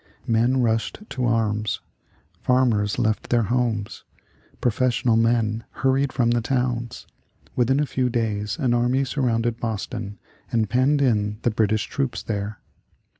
Men rushed to arms. Farmers left their homes. Professional men hurried from the towns. Within a few days an army surrounded Boston and penned in the British troops there.